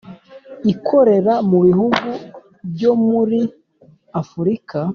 ikorera mu bihugu byo muri afurika,